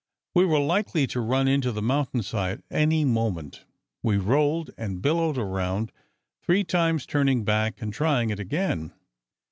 We were likely to run into the mountain side, any moment. We rolled and billowed around, three times turning back, and trying it again.